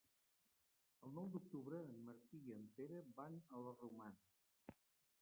El nou d'octubre en Martí i en Pere van a la Romana.